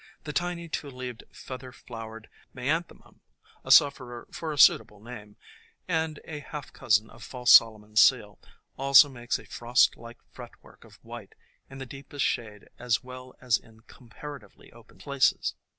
The tiny two leaved feather flowered Maianthe mum, a sufferer for a suitable name, and a half cousin of False Solomon's Seal, also makes a frost like fretwork of white, in the deepest shade as well as in comparatively open places.